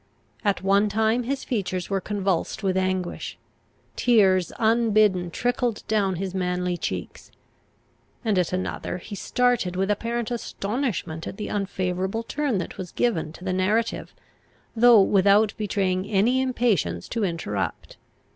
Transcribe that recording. At one time his features were convulsed with anguish; tears unbidden trickled down his manly cheeks; and at another he started with apparent astonishment at the unfavourable turn that was given to the narrative, though without betraying any impatience to interrupt.